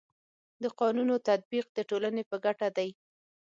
د قانونو تطبیق د ټولني په ګټه دی.